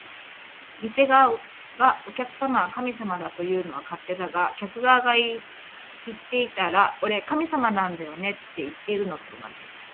店側が「お客様は神様だ」というのは勝手だが、客側が言っていたら「俺、神様なんだよね」っていってるのと同じ